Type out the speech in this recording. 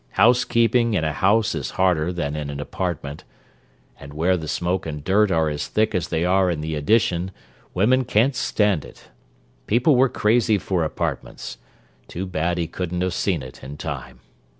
Housekeeping in a house is harder than in an apartment; and where the smoke and dirt are as thick as they are in the Addition, women can't stand it. People were crazy for apartments—too bad he couldn't have seen it in time.